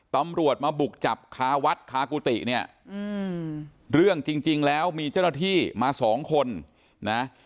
ตำรวจมาบุกจับคาวัดคากุฏิเนี่ยเรื่องจริงแล้วมีเจ้าหน้าที่มาสองคนนะ